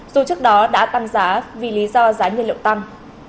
dù trước đó đã tăng giá vì lý do giá nhiên liệu tăng